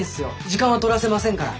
時間はとらせませんから。